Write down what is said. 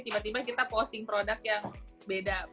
tiba tiba kita posting produk yang beda